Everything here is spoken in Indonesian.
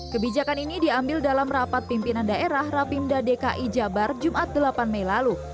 kebijakan ini diambil dalam rapat pimpinan daerah rapimda dki jabar jumat delapan mei lalu